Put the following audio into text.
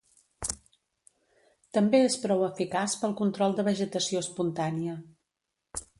També és prou eficaç pel control de vegetació espontània.